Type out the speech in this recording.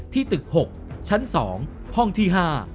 ที่ตึก๖ชั้น๒ห้องที่๕